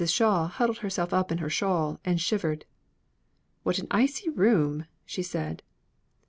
Shaw huddled herself up in her shawl and shivered. "What an icy room!" she said.